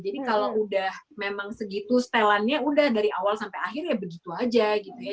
jadi kalau udah memang segitu setelannya udah dari awal sampai akhir ya begitu aja gitu ya